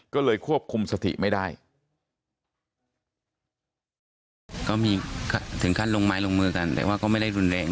ก็ถึงฆั่งลงไม้ลงมือกันดังนั้นก็ไม่รุนแรง